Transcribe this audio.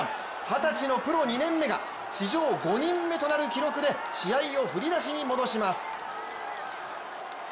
二十歳のプロ２年目が史上５人目となる記録で試合を振り出しに戻します。